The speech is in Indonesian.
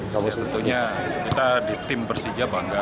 tentunya kita di tim bersija bangga